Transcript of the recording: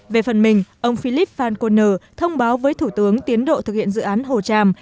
về phần mình ông philip fan koner thông báo với thủ tướng tiến độ thực hiện dự án hồ tràm